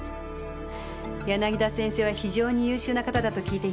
柳田先生は非常に優秀な方だと聞いています。